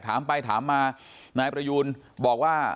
ถามไปถามมานายประยูนบอกว่า